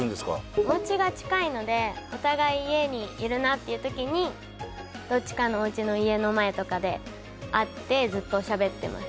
おうちが近いのでお互い家にいるなっていうときにどっちかのおうちの家の前とかで会ってずっとしゃべってます